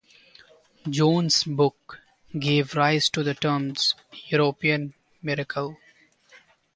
Jones's book gave rise to the term "European miracle".